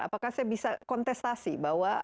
apakah saya bisa kontestasi bahwa